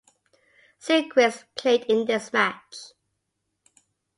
Siegrist played in this match.